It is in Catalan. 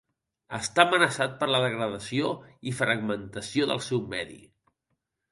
Està amenaçat per la degradació i fragmentació del seu medi.